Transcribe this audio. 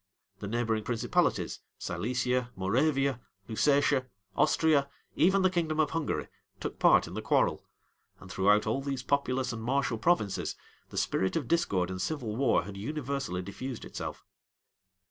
The neighboring principalities, Silesia, Moravia, Lusatia, Austria, even the kingdom of Hungary, took part in the quarrel; and throughout all these populous and martial provinces, the spirit of discord and civil war had universally diffused itself.